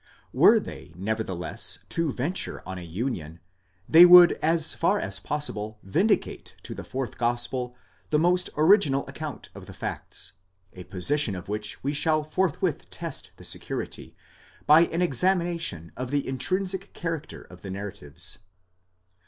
Were they nevertheless to venture on a union, they would as far as possible vindicate to the fourth gospel the most original account of the facts ; a position of which we shall forthwith test the security, by an examination of the intrinsic character of the narratives.